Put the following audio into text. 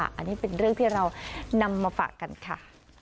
อันนี้เป็นเรื่องที่เรานำมาฝากกันค่ะ